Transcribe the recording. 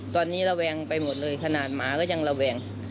ตอนนี้ระแวงไปหมดเลยขนาดหมาก็ยังระแวง